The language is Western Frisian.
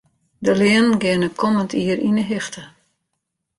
De leanen geane kommend jier yn 'e hichte.